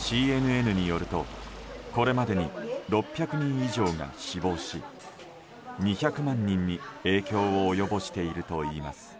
ＣＮＮによるとこれまでに６００人以上が死亡し２００万人に影響を及ぼしているといいます。